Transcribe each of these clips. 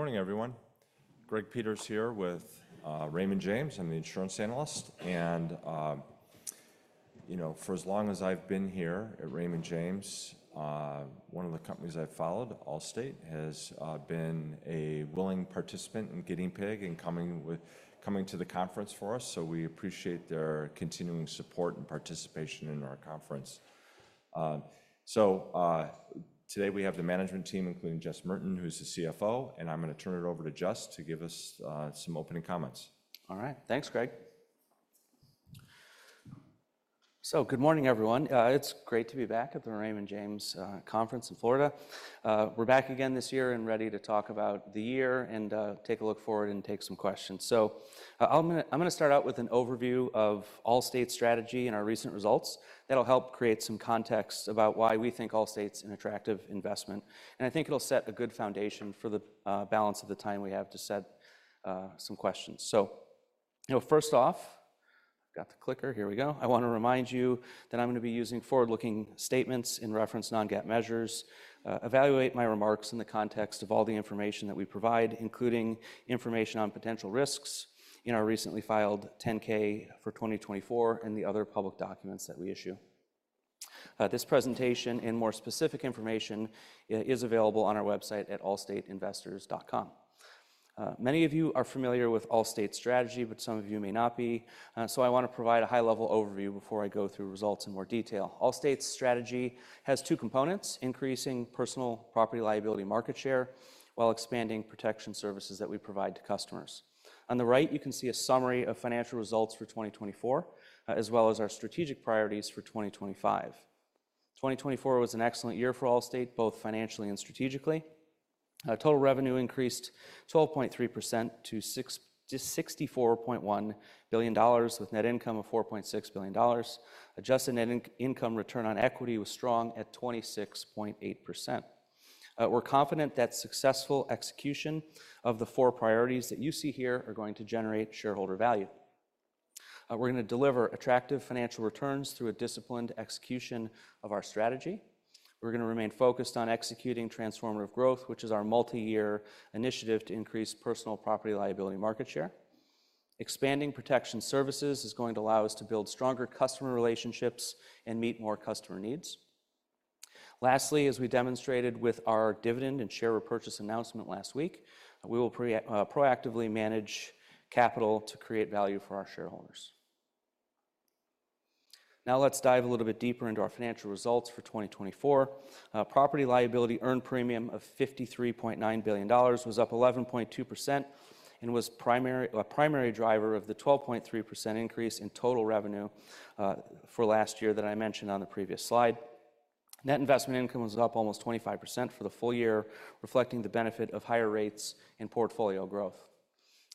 Morning, everyone. Greg Peters here with Raymond James. I'm the Insurance Analyst. And, you know, for as long as I've been here at Raymond James, one of the companies I've followed, Allstate, has been a willing participant in getting pegged and coming to the conference for us. So we appreciate their continuing support and participation in our conference. So today we have the management team, including Jess Merten, who's the CFO. And I'm going to turn it over to Jess to give us some opening comments. All right. Thanks, Greg. So, good morning, everyone. It's great to be back at the Raymond James Conference in Florida. We're back again this year and ready to talk about the year and take a look forward and take some questions. So, I'm going to start out with an overview of Allstate's strategy and our recent results that'll help create some context about why we think Allstate's an attractive investment. And I think it'll set a good foundation for the balance of the time we have to set some questions. So, you know, first off, I've got the clicker. Here we go. I want to remind you that I'm going to be using forward-looking statements in reference to non-GAAP measures. Evaluate my remarks in the context of all the information that we provide, including information on potential risks in our recently filed 10-K for 2024 and the other public documents that we issue. This presentation and more specific information is available on our website at allstateinvestors.com. Many of you are familiar with Allstate's strategy, but some of you may not be. So I want to provide a high-level overview before I go through results in more detail. Allstate's strategy has two components: increasing personal Property-Liability market share while expanding protection services that we provide to customers. On the right, you can see a summary of financial results for 2024, as well as our strategic priorities for 2025. 2024 was an excellent year for Allstate, both financially and strategically. Total revenue increased 12.3% to $64.1 billion, with net income of $4.6 billion. Adjusted net income return on equity was strong at 26.8%. We're confident that successful execution of the four priorities that you see here are going to generate shareholder value. We're going to deliver attractive financial returns through a disciplined execution of our strategy. We're going to remain focused on executing transformative growth, which is our multi-year initiative to increase personal Property-Liability market share. Expanding protection services is going to allow us to build stronger customer relationships and meet more customer needs. Lastly, as we demonstrated with our dividend and share repurchase announcement last week, we will proactively manage capital to create value for our shareholders. Now let's dive a little bit deeper into our financial results for 2024. Property-Liability earned premium of $53.9 billion was up 11.2% and was a primary driver of the 12.3% increase in total revenue for last year that I mentioned on the previous slide. Net investment income was up almost 25% for the full year, reflecting the benefit of higher rates and portfolio growth.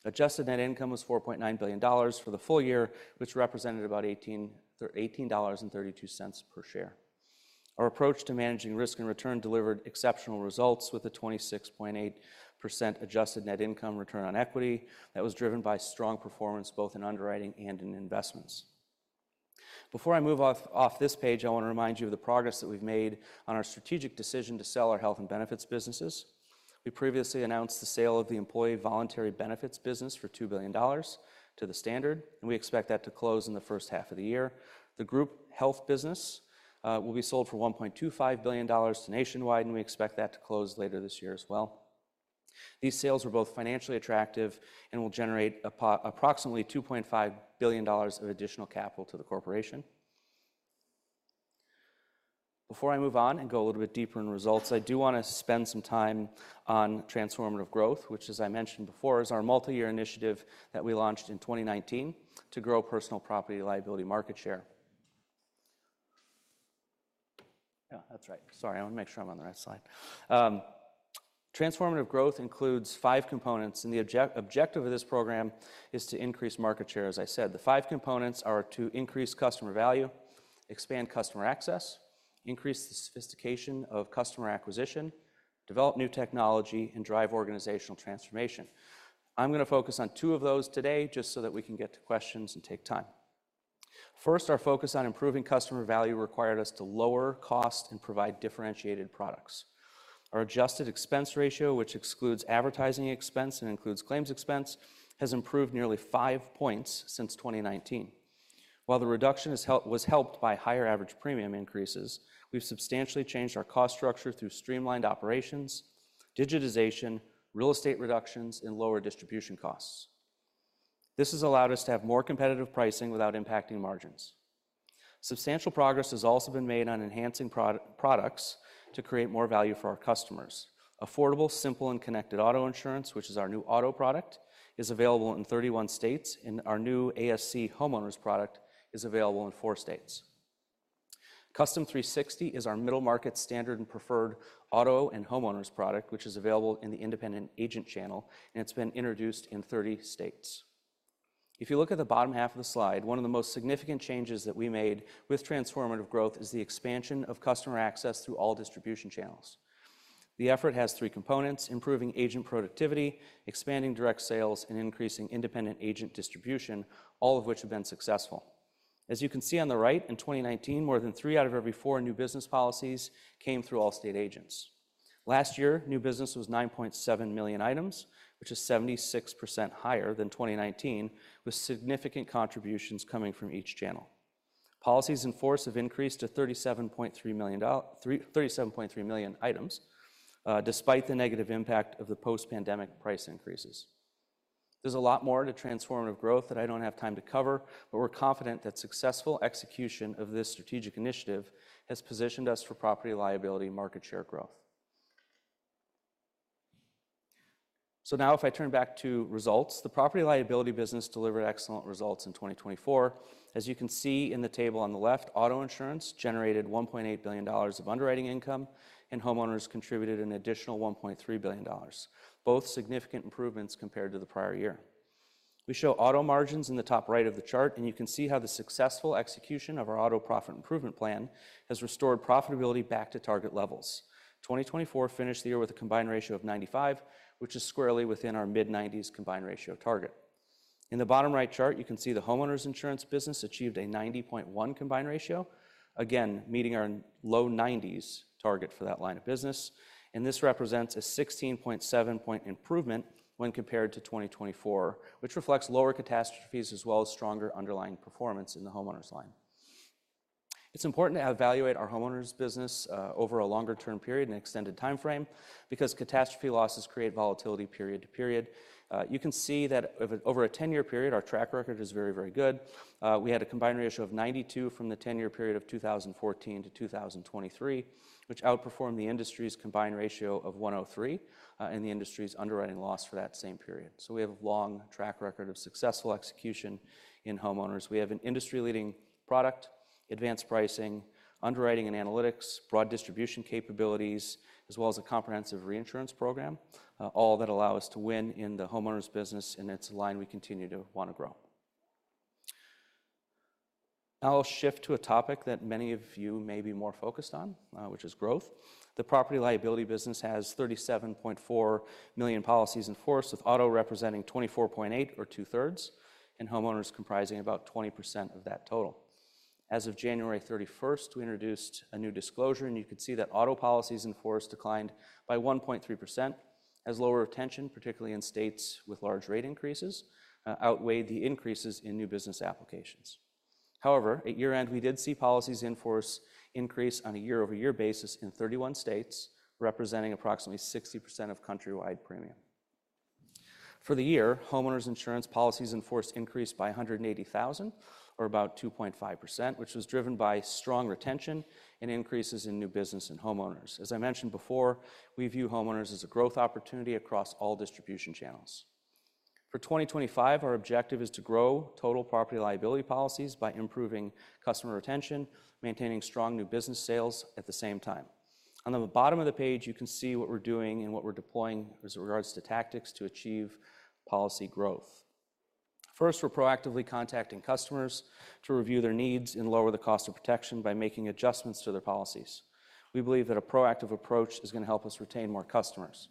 Adjusted net income was $4.9 billion for the full year, which represented about $18.32 per share. Our approach to managing risk and return delivered exceptional results with a 26.8% adjusted net income return on equity that was driven by strong performance both in underwriting and in investments. Before I move off this page, I want to remind you of the progress that we've made on our strategic decision to sell our health and benefits businesses. We previously announced the sale of the employee voluntary benefits business for $2 billion to The Standard, and we expect that to close in the first half of the year. The group health business will be sold for $1.25 billion to Nationwide, and we expect that to close later this year as well. These sales were both financially attractive and will generate approximately $2.5 billion of additional capital to the corporation. Before I move on and go a little bit deeper in results, I do want to spend some time on Transformative Growth, which, as I mentioned before, is our multi-year initiative that we launched in 2019 to grow personal Property-Liability market share. Yeah, that's right. Sorry, I want to make sure I'm on the right side. Transformative Growth includes five components, and the objective of this program is to increase market share. As I said, the five components are to increase customer value, expand customer access, increase the sophistication of customer acquisition, develop new technology, and drive organizational transformation. I'm going to focus on two of those today just so that we can get to questions and take time. First, our focus on improving customer value required us to lower costs and provide differentiated products. Our adjusted expense ratio, which excludes advertising expense and includes claims expense, has improved nearly five points since 2019. While the reduction was helped by higher average premium increases, we've substantially changed our cost structure through streamlined operations, digitization, real estate reductions, and lower distribution costs. This has allowed us to have more competitive pricing without impacting margins. Substantial progress has also been made on enhancing products to create more value for our customers. Affordable, Simple, and Connected auto insurance, which is our new auto product, is available in 31 states, and our new ASC homeowners product is available in four states. Custom 360 is our middle-market standard and preferred auto and homeowners product, which is available in the independent agent channel, and it's been introduced in 30 states. If you look at the bottom half of the slide, one of the most significant changes that we made with Transformative Growth is the expansion of customer access through all distribution channels. The effort has three components: improving agent productivity, expanding direct sales, and increasing independent agent distribution, all of which have been successful. As you can see on the right, in 2019, more than three out of every four new business policies came through Allstate agents. Last year, new business was 9.7 million items, which is 76% higher than 2019, with significant contributions coming from each channel. Policies in force have increased to 37.3 million items, despite the negative impact of the post-pandemic price increases. There's a lot more to Transformative Growth that I don't have time to cover, but we're confident that successful execution of this strategic initiative has positioned us for Property-Liability market share growth. So now, if I turn back to results, the Property-Liability business delivered excellent results in 2024. As you can see in the table on the left, auto insurance generated $1.8 billion of underwriting income, and homeowners contributed an additional $1.3 billion. Both significant improvements compared to the prior year. We show auto margins in the top right of the chart, and you can see how the successful execution of our Auto Profit Improvement Plan has restored profitability back to target levels. 2024 finished the year with a combined ratio of 95, which is squarely within our mid-90s combined ratio target. In the bottom right chart, you can see the homeowners insurance business achieved a 90.1 combined ratio, again meeting our low 90s target for that line of business. This represents a 16.7-point improvement when compared to 2024, which reflects lower catastrophes as well as stronger underlying performance in the homeowners line. It's important to evaluate our homeowners business over a longer-term period and extended timeframe because catastrophe losses create volatility period to period. You can see that over a 10-year period, our track record is very, very good. We had a combined ratio of 92 from the 10-year period of 2014 to 2023, which outperformed the industry's combined ratio of 103 and the industry's underwriting loss for that same period. We have a long track record of successful execution in homeowners. We have an industry-leading product, advanced pricing, underwriting and analytics, broad distribution capabilities, as well as a comprehensive reinsurance program, all that allow us to win in the homeowners business and its line. We continue to want to grow. Now I'll shift to a topic that many of you may be more focused on, which is growth. The Property-Liability business has 37.4 million policies in force, with auto representing 24.8 or two-thirds, and homeowners comprising about 20% of that total. As of January 31st, we introduced a new disclosure, and you can see that auto policies in force declined by 1.3%, as lower retention, particularly in states with large rate increases, outweighed the increases in new business applications. However, at year-end, we did see policies in force increase on a year-over-year basis in 31 states, representing approximately 60% of countrywide premium. For the year, homeowners insurance policies in force increased by 180,000, or about 2.5%, which was driven by strong retention and increases in new business and homeowners. As I mentioned before, we view homeowners as a growth opportunity across all distribution channels. For 2025, our objective is to grow total Property-Liability policies by improving customer retention, maintaining strong new business sales at the same time. On the bottom of the page, you can see what we're doing and what we're deploying as it regards to tactics to achieve policy growth. First, we're proactively contacting customers to review their needs and lower the cost of protection by making adjustments to their policies. We believe that a proactive approach is going to help us retain more customers.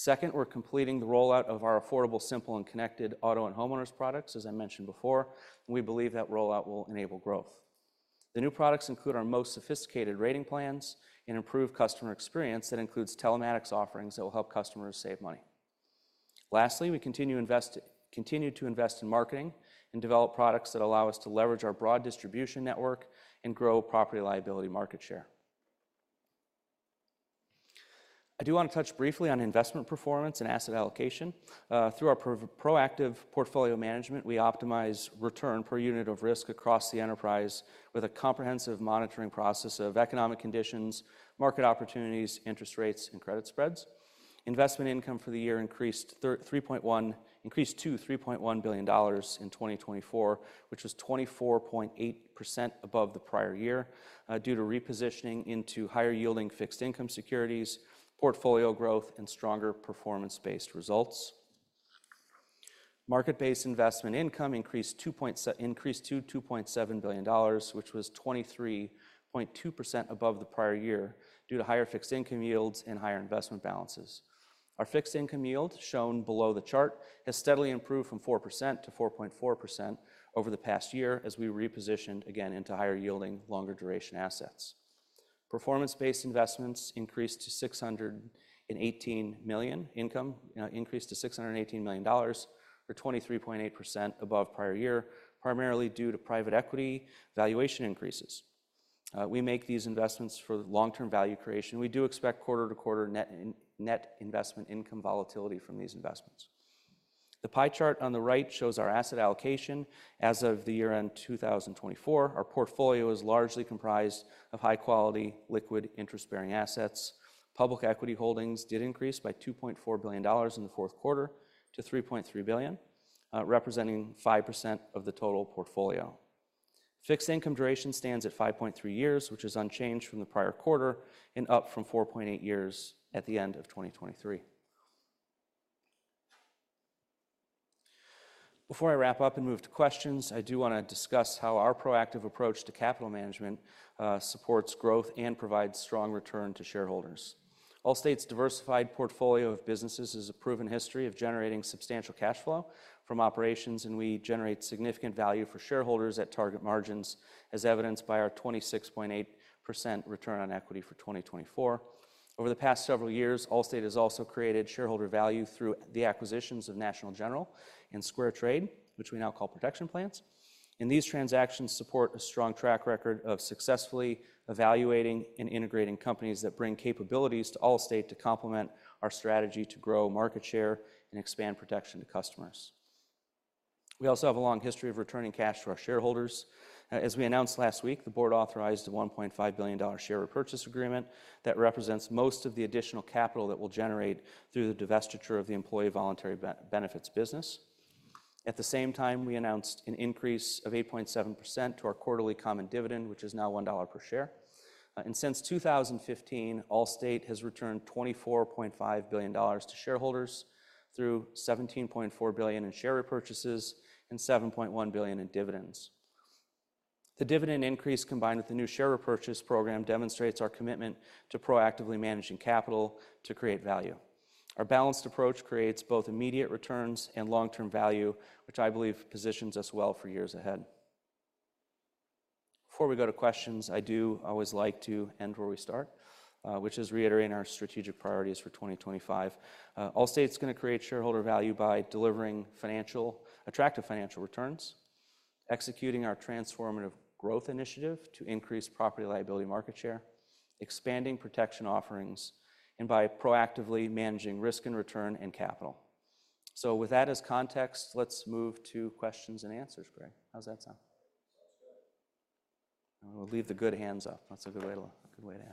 Second, we're completing the rollout of our Affordable, Simple, and Connected auto and homeowners products, as I mentioned before. We believe that rollout will enable growth. The new products include our most sophisticated rating plans and improved customer experience that includes telematics offerings that will help customers save money. Lastly, we continue to invest in marketing and develop products that allow us to leverage our broad distribution network and grow Property-Liability market share. I do want to touch briefly on investment performance and asset allocation. Through our proactive portfolio management, we optimize return per unit of risk across the enterprise with a comprehensive monitoring process of economic conditions, market opportunities, interest rates, and credit spreads. Investment income for the year increased to $3.1 billion in 2024, which was 24.8% above the prior year due to repositioning into higher-yielding fixed income securities, portfolio growth, and stronger performance-based results. Market-based investment income increased to $2.7 billion, which was 23.2% above the prior year due to higher fixed income yields and higher investment balances. Our fixed income yield, shown below the chart, has steadily improved from 4%-4.4% over the past year as we repositioned again into higher-yielding, longer-duration assets. Performance-based investments increased to $618 million, or 23.8% above prior year, primarily due to private equity valuation increases. We make these investments for long-term value creation. We do expect quarter-to-quarter net investment income volatility from these investments. The pie chart on the right shows our asset allocation as of the year-end 2024. Our portfolio is largely comprised of high-quality, liquid, interest-bearing assets. Public equity holdings did increase by $2.4 billion in the fourth quarter to $3.3 billion, representing 5% of the total portfolio. Fixed income duration stands at 5.3 years, which is unchanged from the prior quarter and up from 4.8 years at the end of 2023. Before I wrap up and move to questions, I do want to discuss how our proactive approach to capital management supports growth and provides strong return to shareholders. Allstate's diversified portfolio of businesses has a proven history of generating substantial cash flow from operations, and we generate significant value for shareholders at target margins, as evidenced by our 26.8% return on equity for 2024. Over the past several years, Allstate has also created shareholder value through the acquisitions of National General and SquareTrade, which we now call Protection Plans, and these transactions support a strong track record of successfully evaluating and integrating companies that bring capabilities to Allstate to complement our strategy to grow market share and expand protection to customers. We also have a long history of returning cash to our shareholders. As we announced last week, the board authorized a $1.5 billion share repurchase agreement that represents most of the additional capital that will generate through the divestiture of the employee voluntary benefits business. At the same time, we announced an increase of 8.7% to our quarterly common dividend, which is now $1 per share. And since 2015, Allstate has returned $24.5 billion to shareholders through $17.4 billion in share repurchases and $7.1 billion in dividends. The dividend increase, combined with the new share repurchase program, demonstrates our commitment to proactively managing capital to create value. Our balanced approach creates both immediate returns and long-term value, which I believe positions us well for years ahead. Before we go to questions, I do always like to end where we start, which is reiterating our strategic priorities for 2025. Allstate's going to create shareholder value by delivering attractive financial returns, executing our Transformative Growth initiative to increase Property-Liability market share, expanding protection offerings, and by proactively managing risk and return and capital. So with that as context, let's move to Q&A. Greg, how does that sound? Sounds good. We'll leave the good hands up. That's a good way to ask. Go ahead, Greg.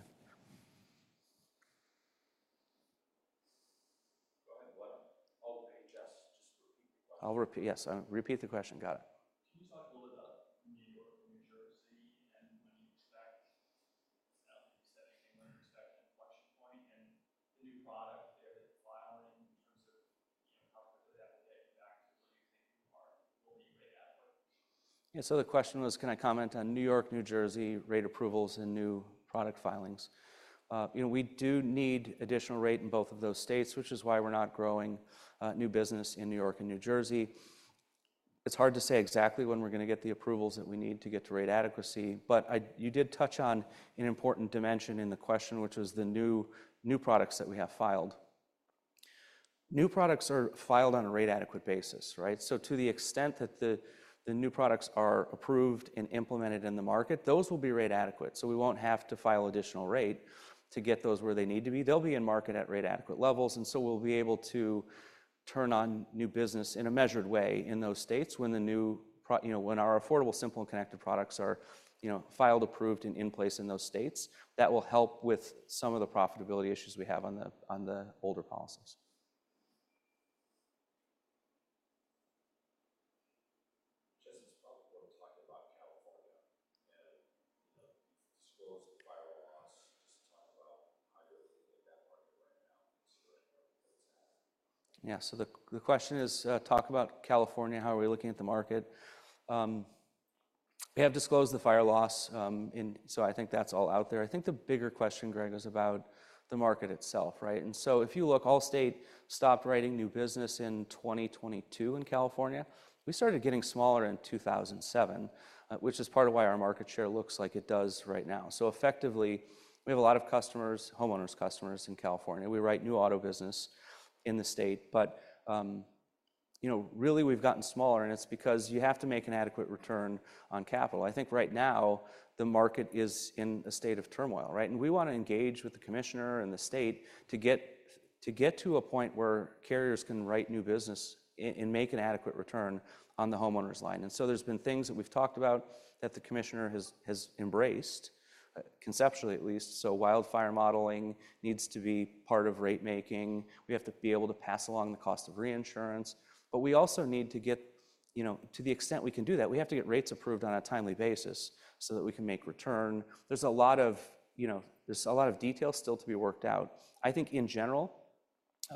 I'll just repeat the question. Got it. Can you talk a little bit about New York and New Jersey and when you expect, I don't think you said anything, when you expect an inflection point and the new product there that's filing in terms of how quickly that will get you back to where you think you are and will be right at? Yeah. So the question was, can I comment on New York, New Jersey, rate approvals, and new product filings? We do need additional rate in both of those states, which is why we're not growing new business in New York and New Jersey. It's hard to say exactly when we're going to get the approvals that we need to get to rate adequacy, but you did touch on an important dimension in the question, which was the new products that we have filed. New products are filed on a rate adequate basis, right? So to the extent that the new products are approved and implemented in the market, those will be rate adequate. So we won't have to file additional rate to get those where they need to be. They'll be in market at rate adequate levels, and so we'll be able to turn on new business in a measured way in those states when our Affordable, Simple, and Connected products are filed, approved, and in place in those states. That will help with some of the profitability issues we have on the older policies. Jess, it's probably worth talking about California. Disclose the fire loss just to talk about how you're looking at that market right now, considering where it's at. Yeah. So the question is, talk about California, how are we looking at the market? We have disclosed the fire loss, and so I think that's all out there. I think the bigger question, Greg, is about the market itself, right, and so if you look, Allstate stopped writing new business in 2022 in California. We started getting smaller in 2007, which is part of why our market share looks like it does right now. So effectively, we have a lot of customers, homeowners customers in California. We write new auto business in the state, but really we've gotten smaller, and it's because you have to make an adequate return on capital. I think right now the market is in a state of turmoil, right? And we want to engage with the commissioner and the state to get to a point where carriers can write new business and make an adequate return on the homeowners line. And so there's been things that we've talked about that the commissioner has embraced, conceptually at least. So wildfire modeling needs to be part of rate making. We have to be able to pass along the cost of reinsurance. But we also need to get to the extent we can do that, we have to get rates approved on a timely basis so that we can make return. There's a lot of detail still to be worked out. I think in general,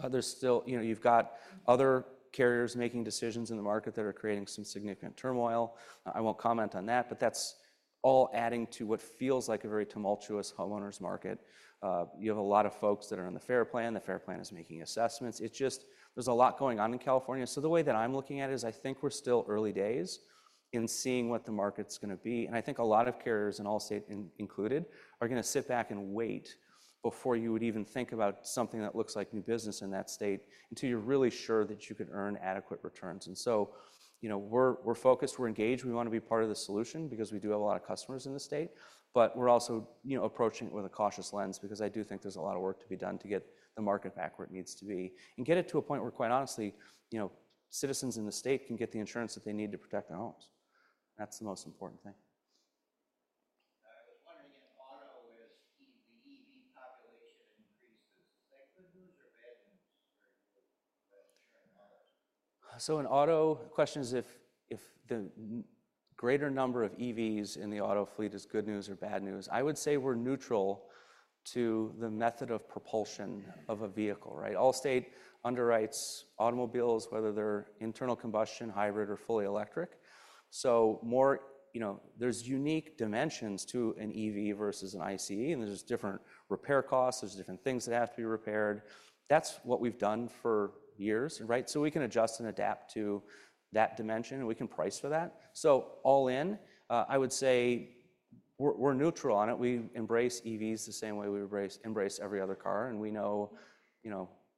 there's still. You've got other carriers making decisions in the market that are creating some significant turmoil. I won't comment on that, but that's all adding to what feels like a very tumultuous homeowners market. You have a lot of folks that are on the FAIR Plan. The FAIR Plan is making assessments. It's just there's a lot going on in California. So the way that I'm looking at it is I think we're still early days in seeing what the market's going to be. And I think a lot of carriers, and Allstate included, are going to sit back and wait before you would even think about something that looks like new business in that state until you're really sure that you could earn adequate returns. And so we're focused, we're engaged, we want to be part of the solution because we do have a lot of customers in the state, but we're also approaching it with a cautious lens because I do think there's a lot of work to be done to get the market back where it needs to be and get it to a point where, quite honestly, citizens in the state can get the insurance that they need to protect their homes. That's the most important thing. I was wondering if auto is, the EV population increases. Is that good news or bad news for you as a shareholder? So in auto, the question is if the greater number of EVs in the auto fleet is good news or bad news. I would say we're neutral to the method of propulsion of a vehicle, right? Allstate underwrites automobiles, whether they're internal combustion, hybrid, or fully electric. So there's unique dimensions to an EV versus an ICE, and there's different repair costs. There's different things that have to be repaired. That's what we've done for years, right? So we can adjust and adapt to that dimension, and we can price for that. So all in, I would say we're neutral on it. We embrace EVs the same way we embrace every other car, and we know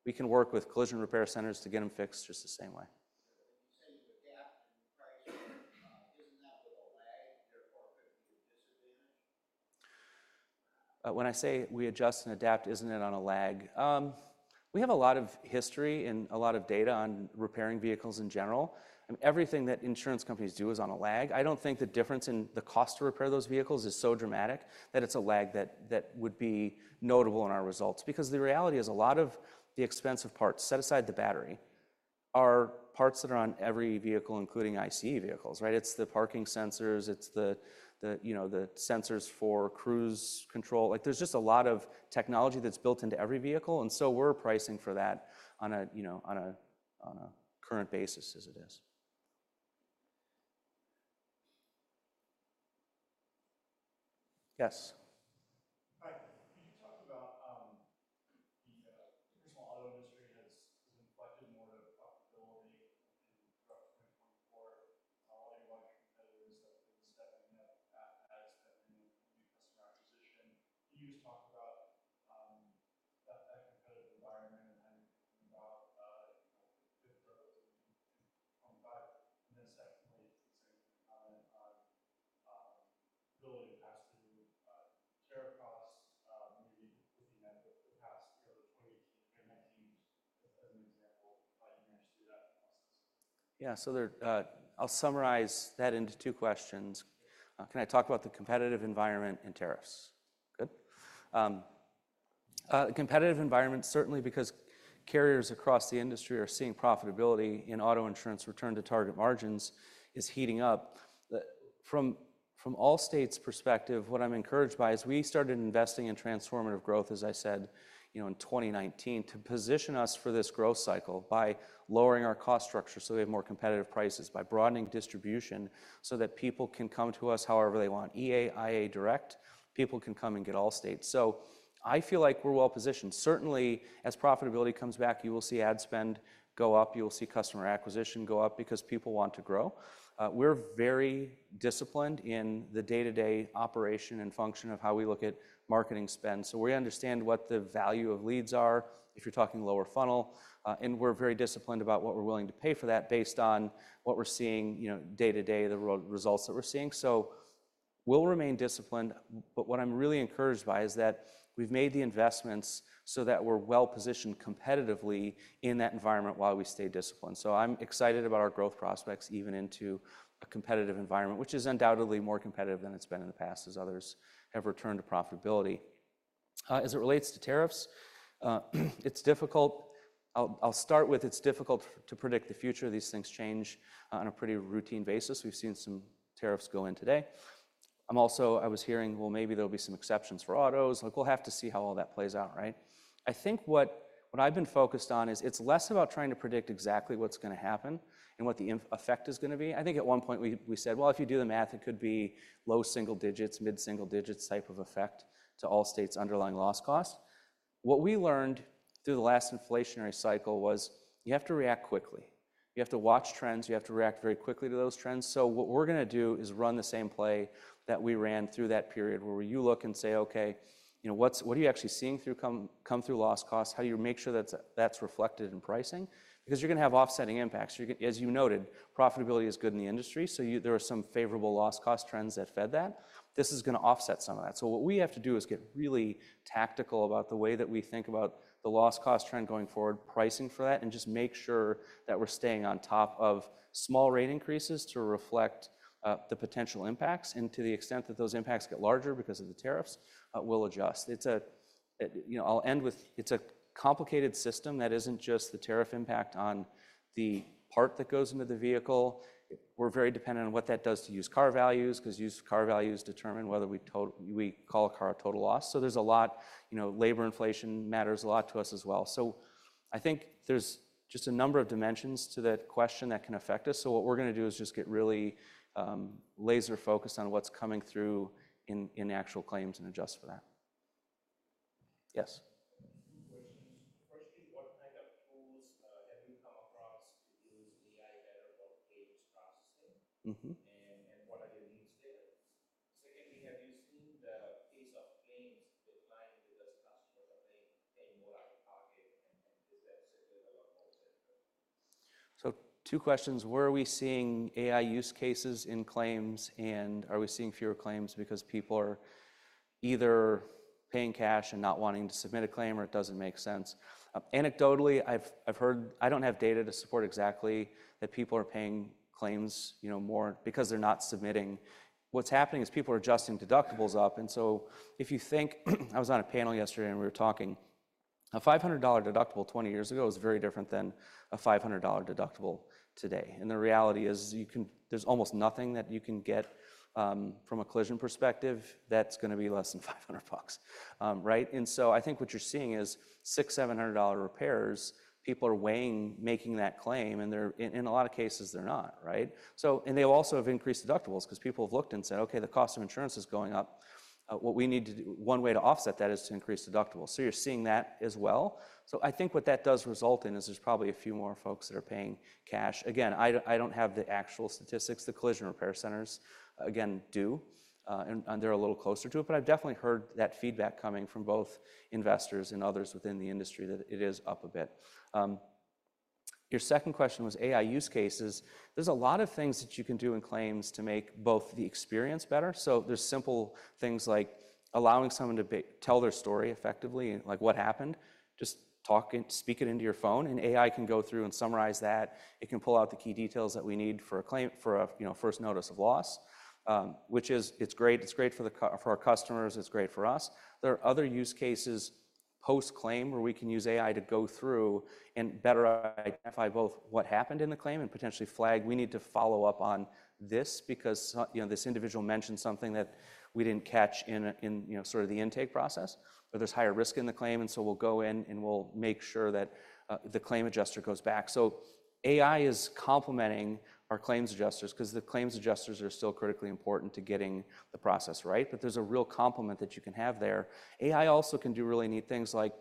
we can work with collision repair centers to get them fixed just the same way. When you say you adapt and you price, isn't that with a lag, therefore could be a disadvantage? When I say we adjust and adapt, isn't it on a lag? We have a lot of history and a lot of data on repairing vehicles in general. Everything that insurance companies do is on a lag. I don't think the difference in the cost to repair those vehicles is so dramatic that it's a lag that would be notable in our results. Because the reality is a lot of the expensive parts, set aside the battery, are parts that are on every vehicle, including ICE vehicles, right? It's the parking sensors, it's the sensors for cruise control. There's just a lot of technology that's built into every vehicle, and so we're pricing for that on a current basis as it is. Yes. Can you talk about the personal auto industry in 2019, to position us for this growth cycle by lowering our cost structure so we have more competitive prices, by broadening distribution so that people can come to us however they want. EA, IA, direct. People can come and get Allstate. So I feel like we're well positioned. Certainly, as profitability comes back, you will see ad spend go up. You will see customer acquisition go up because people want to grow. We're very disciplined in the day-to-day operation and function of how we look at marketing spend, so we understand what the value of leads are if you're talking lower funnel, and we're very disciplined about what we're willing to pay for that based on what we're seeing day-to-day, the results that we're seeing, so we'll remain disciplined, but what I'm really encouraged by is that we've made the investments so that we're well positioned competitively in that environment while we stay disciplined, so I'm excited about our growth prospects even into a competitive environment, which is undoubtedly more competitive than it's been in the past as others have returned to profitability. As it relates to tariffs, it's difficult. I'll start with, it's difficult to predict the future. These things change on a pretty routine basis. We've seen some tariffs go in today. I was hearing, well, maybe there'll be some exceptions for autos. We'll have to see how all that plays out, right? I think what I've been focused on is, it's less about trying to predict exactly what's going to happen and what the effect is going to be. I think at one point we said, well, if you do the math, it could be low single digits, mid-single digits type of effect to Allstate's underlying loss cost. What we learned through the last inflationary cycle was you have to react quickly. You have to watch trends. You have to react very quickly to those trends. So what we're going to do is run the same play that we ran through that period where you look and say, okay, what are you actually seeing come through loss costs? How do you make sure that's reflected in pricing? Because you're going to have offsetting impacts. As you noted, profitability is good in the industry, so there are some favorable loss cost trends that fed that. This is going to offset some of that. So what we have to do is get really tactical about the way that we think about the loss cost trend going forward, pricing for that, and just make sure that we're staying on top of small rate increases to reflect the potential impacts. And to the extent that those impacts get larger because of the tariffs, we'll adjust. I'll end with, it's a complicated system that isn't just the tariff impact on the part that goes into the vehicle. We're very dependent on what that does to used car values because used car values determine whether we call a car a total loss. So there's a lot. Labor inflation matters a lot to us as well. So I think there's just a number of dimensions to that question that can affect us. So what we're going to do is just get really laser-focused on what's coming through in actual claims and adjust for that. Yes. What kind of tools have you come across to use AI better for claims processing? And what are your needs there? Secondly, have you seen the case of claims declining because customers are paying more on target and is that similar to what's happened? So two questions. Where are we seeing AI use cases in claims? And are we seeing fewer claims because people are either paying cash and not wanting to submit a claim or it doesn't make sense? Anecdotally, I've heard. I don't have data to support exactly that people are paying claims more because they're not submitting. What's happening is people are adjusting deductibles up. If you think, I was on a panel yesterday and we were talking a $500 deductible 20 years ago was very different than a $500 deductible today. The reality is there's almost nothing that you can get from a collision perspective that's going to be less than 500 bucks, right? I think what you're seeing is six hundred, $700 repairs. People are weighing making that claim, and in a lot of cases, they're not, right? And they also have increased deductibles because people have looked and said, okay, the cost of insurance is going up. What we need to do, one way to offset that is to increase deductibles. So you're seeing that as well. So I think what that does result in is there's probably a few more folks that are paying cash. Again, I don't have the actual statistics. The collision repair centers, again, do, and they're a little closer to it, but I've definitely heard that feedback coming from both investors and others within the industry that it is up a bit. Your second question was AI use cases. There's a lot of things that you can do in claims to make both the experience better. So there's simple things like allowing someone to tell their story effectively, like what happened, just speak it into your phone, and AI can go through and summarize that. It can pull out the key details that we need for a first notice of loss, which is great. It's great for our customers. It's great for us. There are other use cases post-claim where we can use AI to go through and better identify both what happened in the claim and potentially flag, we need to follow up on this because this individual mentioned something that we didn't catch in sort of the intake process, or there's higher risk in the claim, and so we'll go in and we'll make sure that the claim adjuster goes back. So AI is complementing our claims adjusters because the claims adjusters are still critically important to getting the process right, but there's a real complement that you can have there. AI also can do really neat things like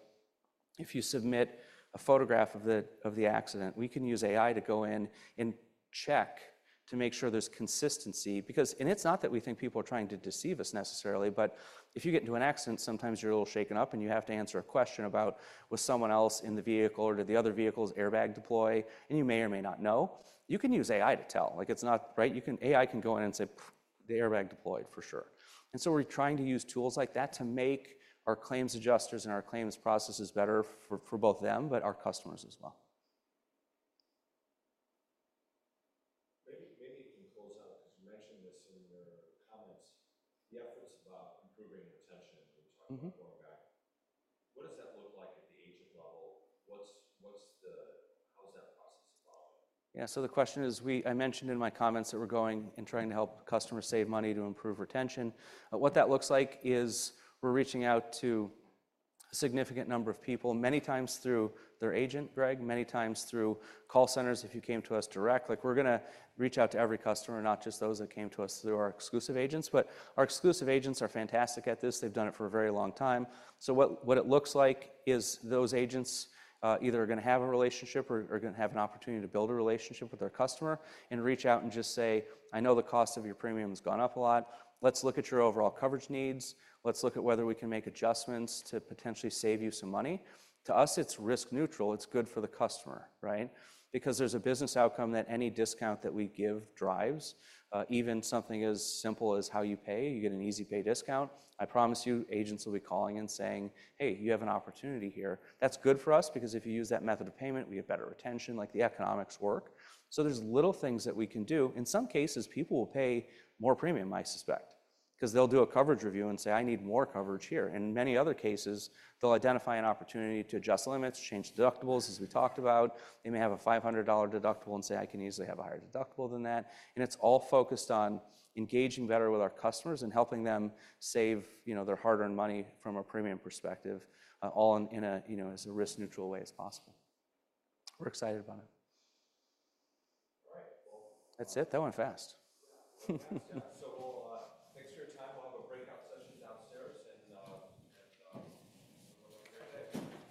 if you submit a photograph of the accident, we can use AI to go in and check to make sure there's consistency. And it's not that we think people are trying to deceive us necessarily, but if you get into an accident, sometimes you're a little shaken up and you have to answer a question about was someone else in the vehicle or did the other vehicle's airbag deploy, and you may or may not know. You can use AI to tell. AI can go in and say, the airbag deployed for sure. And so we're trying to use tools like that to make our claims adjusters and our claims processes better for both them, but our customers as well. Maybe you can close out because you mentioned this in your comments, the efforts about improving retention that you talked about going back. What does that look like at the agent level? How is that process evolving? Yeah, so the question is, I mentioned in my comments that we're going and trying to help customers save money to improve retention. What that looks like is we're reaching out to a significant number of people, many times through their agent, Greg, many times through call centers if you came to us direct. We're going to reach out to every customer, not just those that came to us through our exclusive agents, but our exclusive agents are fantastic at this. They've done it for a very long time. So what it looks like is those agents either are going to have a relationship or are going to have an opportunity to build a relationship with their customer and reach out and just say, I know the cost of your premium has gone up a lot. Let's look at your overall coverage needs. Let's look at whether we can make adjustments to potentially save you some money. To us, it's risk neutral. It's good for the customer, right? Because there's a business outcome that any discount that we give drives. Even something as simple as how you pay, you get an Easy Pay discount. I promise you, agents will be calling and saying, hey, you have an opportunity here. That's good for us because if you use that method of payment, we have better retention. The economics work. So there's little things that we can do. In some cases, people will pay more premium, I suspect, because they'll do a coverage review and say, I need more coverage here. In many other cases, they'll identify an opportunity to adjust limits, change deductibles as we talked about. They may have a $500 deductible and say, I can easily have a higher deductible than that. And it's all focused on engaging better with our customers and helping them save their hard-earned money from a premium perspective, all in as a risk-neutral way as possible. We're excited about it. All right. Well. That's it. That went fast. So thanks for your time. We'll have a breakout session downstairs and we'll have a great day.